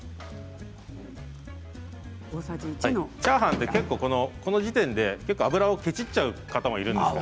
チャーハンって結構この時点で油をケチっちゃう方もいるんです。